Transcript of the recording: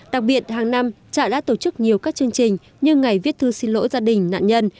đặc biệt hàng năm trại đã tổ chức nhiều các chương trình như ngày viết thư xin lỗi gia đình nạn nhân